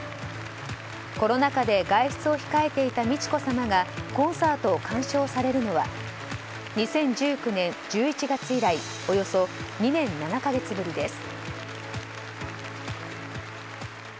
コロナ禍で外出を控えていた美智子さまがコンサートを鑑賞されるのは２０１９年１１月以来およそ２年７か月ぶりです。